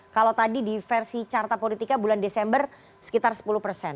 kalau tadi di versi carta politika bulan desember sekitar sepuluh persen